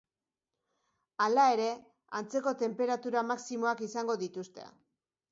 Hala ere, antzeko tenperatura maximoak izango dituzte.